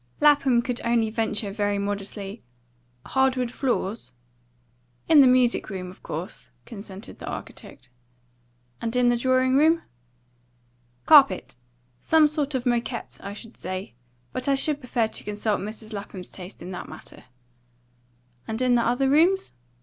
Lapham could only venture very modestly, "Hard wood floors?" "In the music room, of course," consented the architect. "And in the drawing room?" "Carpet. Some sort of moquette, I should say. But I should prefer to consult Mrs. Lapham's taste in that matter." "And in the other rooms?"